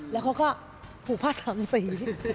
แล้วเขาก็ผูกผ้าสามสี